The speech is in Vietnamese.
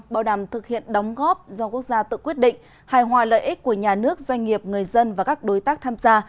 bảo đảm thực hiện đóng góp do quốc gia tự quyết định hài hòa lợi ích của nhà nước doanh nghiệp người dân và các đối tác tham gia